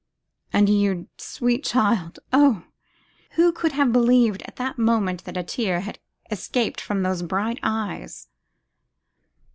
'And you, sweet child, oh! who could have believed, at that moment, that a tear had escaped from those bright eyes!